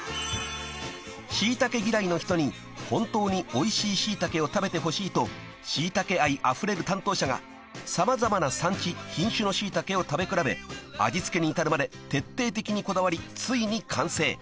［『しいたけ』嫌いの人に本当に美味しい『しいたけ』を食べて欲しいと『しいたけ』愛溢れる担当者が様々な産地・品種の『しいたけ』を食べ比べ味付けに至るまで徹底的にこだわり、遂に完成！］